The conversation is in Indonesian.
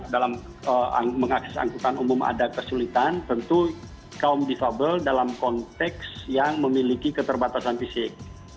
dalam mengakses angkutan umum ada kesulitan tentu kaum difabel dalam konteks yang memiliki keterbatasan fisik